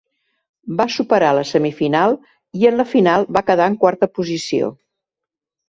Va superar la semifinal i en la final va quedar en quarta posició.